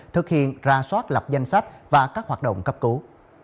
thực hiện ra soát lập danh sách và các hoạt động cấp cứu